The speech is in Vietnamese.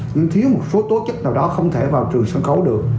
nhưng thiếu một số tố chất nào đó không thể vào trường sân khấu được